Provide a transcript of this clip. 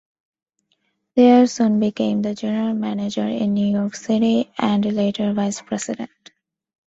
Thayer soon became the general manager in New York City and later vice-president.